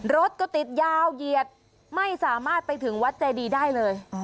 รถก็ติดยาวเหยียดไม่สามารถไปถึงวัดเจดีได้เลย